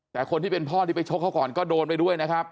แต่คนที่เป็นพ่อที่ไปชกเขาก่อนก็โดนไปด้วยนะครับ